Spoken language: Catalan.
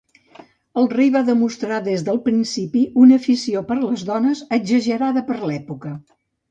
El rei va demostrar des del principi una afició per les dones exagerada per l'època.